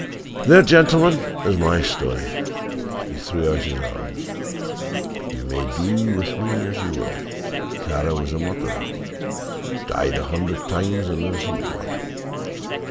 "There, gentlemen, is my story!" He threw out his arms. "You may do with me as you will. Kara was a murderer, dyed a hundred times in innocent blood.